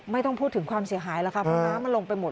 ไม่ต้องพูดถึงความเสียหายแล้วค่ะเพราะน้ำมันลงไปหมด